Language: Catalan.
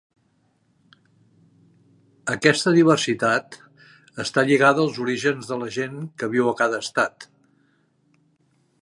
Aquesta diversitat està lligada als orígens de la gent que viu a cada estat.